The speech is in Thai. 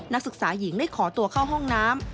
นักศึกษาหญิงได้ขอตัวเข้าห้องน้ำ